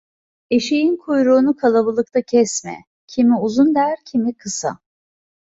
Eşeğin kuyruğunu kalabalıkta kesme; kimi uzun der, kimi kısa.